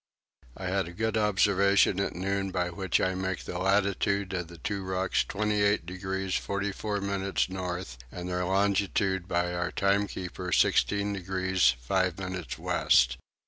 I had a good observation at noon by which I make the latitude of the two rocks 28 degrees 44 minutes north and their longitude by our timekeeper 16 degrees 5 minutes west.